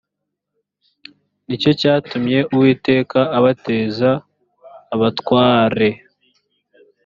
ni cyo cyatumye uwiteka abateza abatware